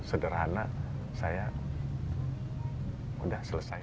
sederhana saya udah selesai